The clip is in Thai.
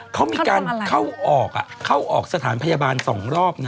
เขามีการเข้าออกเข้าออกสถานพยาบาล๒รอบนะ